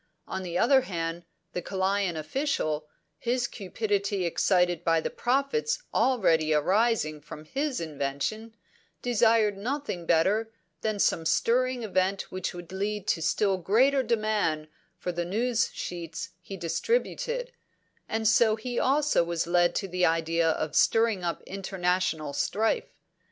On the other hand, the Kalayan official, his cupidity excited by the profits already arising from his invention, desired nothing better than some stirring event which would lead to still greater demand for the news sheets he distributed, and so he also was led to the idea of stirring up international strife.